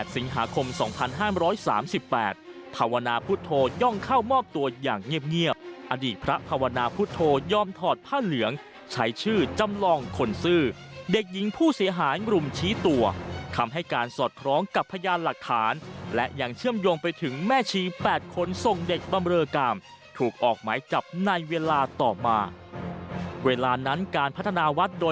สิงหาคม๒๕๓๘ภาวนาพุทธโธย่องเข้ามอบตัวอย่างเงียบอดีตพระภาวนาพุทธโธยอมถอดผ้าเหลืองใช้ชื่อจำลองคนซื่อเด็กหญิงผู้เสียหายรุมชี้ตัวคำให้การสอดคล้องกับพยานหลักฐานและยังเชื่อมโยงไปถึงแม่ชี๘คนส่งเด็กบำเรอกรรมถูกออกหมายจับในเวลาต่อมาเวลานั้นการพัฒนาวัดโดย